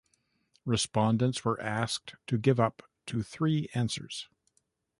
Respondents were asked to give up to three answers.